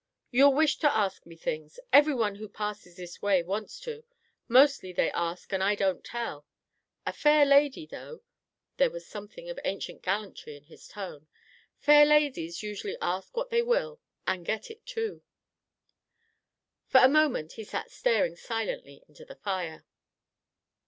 "You'll wish to ask me things. Everyone who passes this way wants to. Mostly they ask and I don't tell. A fair lady, though," there was something of ancient gallantry in his tone, "fair ladies usually ask what they will and get it, too." For a moment he sat staring silently into the fire.